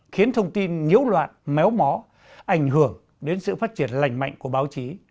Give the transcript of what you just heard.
khiến thông tin nhiễu loạn méo mó ảnh hưởng đến sự phát triển lành mạnh của báo chí